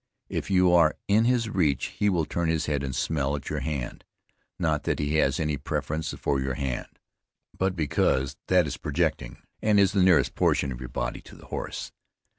If you are in his reach he will turn his head and smell at your hand, not that he has any preference for your hand, but because that it is projecting, and is the nearest portion of your body to the horse.